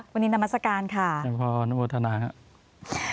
วันนี้น้ำมาศกาลค่ะขอโทษทนาค่ะ